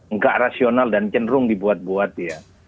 nggak rasional dan cenderung dibuat buat ya